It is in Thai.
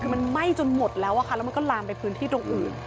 คือมันไหม้จนหมดแล้วอะค่ะแล้วมันก็ลามไปพื้นที่ตรงอื่น